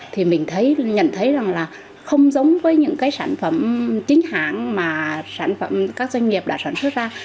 thì mình nhận thấy rằng là không giống với những cái sản phẩm chính hàng mà các doanh nghiệp đã sản xuất ra